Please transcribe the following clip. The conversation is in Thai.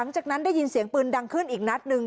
จากนั้นได้ยินเสียงปืนดังขึ้นอีกนัดนึง